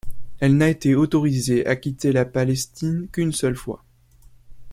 Elle n'a été autorisée à quitter la Palestine qu'une seule fois.